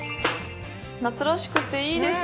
夏らしくていいですね。